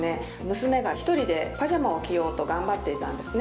娘が一人でパジャマを着ようと頑張っていたんですね